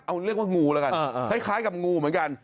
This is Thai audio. เอาเรียกว่างูแล้วกันคล้ายกับงูเหมือนกัน